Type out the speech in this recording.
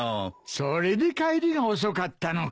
それで帰りが遅かったのか。